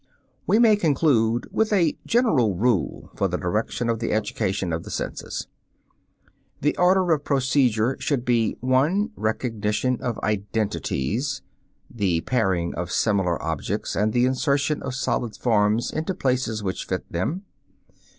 We may conclude with a general rule for the direction of the education of the senses. The order of procedure should be: (1) Recognition of identities (the pairing of similar objects and the insertion of solid forms into places which fit them).